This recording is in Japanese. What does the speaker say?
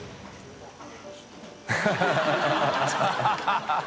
ハハハ